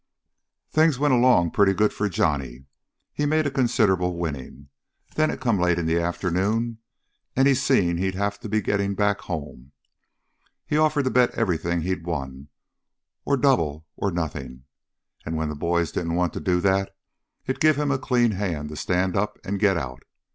"Things went along pretty good for Johnny. He made a considerable winning. Then it come late in the afternoon, and he seen he'd have to be getting back home. He offered to bet everything he'd won, or double or nothing, and when the boys didn't want to do that, it give him a clean hand to stand up and get out.